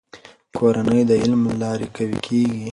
کورنۍ د علم له لارې قوي کېږي.